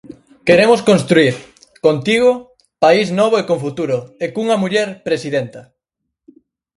Queremos construír, contigo, país novo e con futuro, e cunha muller presidenta.